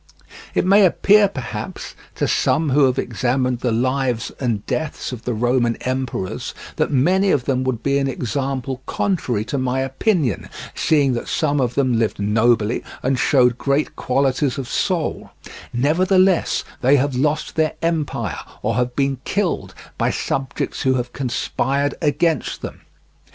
It may appear, perhaps, to some who have examined the lives and deaths of the Roman emperors that many of them would be an example contrary to my opinion, seeing that some of them lived nobly and showed great qualities of soul, nevertheless they have lost their empire or have been killed by subjects who have conspired against them.